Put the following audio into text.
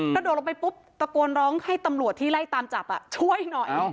กระโดดลงไปปุ๊บตะโกนร้องให้ตำรวจที่ไล่ตามจับช่วยหน่อย